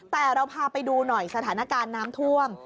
แต่เราพาไปดูหน่อยสถานการณ์น้ำท่วม